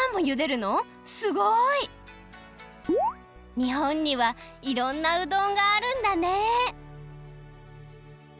にほんにはいろんなうどんがあるんだね！